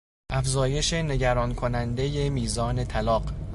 افزایش نگرانکنندهی میزان طلاق